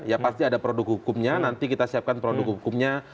ya pasti ada produk hukumnya nanti kita siapkan produk hukumnya